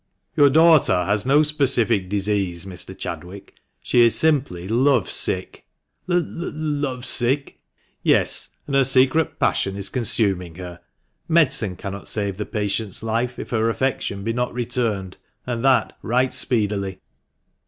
"Your daughter has no specific disease, Mr. Chadwick, she is simply love sick" " L love s sick?" " Yes ; and her secret passion is consuming her. Medicine cannot save the patient's life if her affection be not returned, and that right speedily."